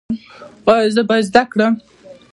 ایا زه باید زده کړم؟